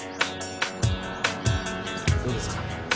どうですか？